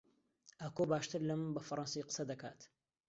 ئاکۆ باشتر لە من بە فەڕەنسی قسە دەکات.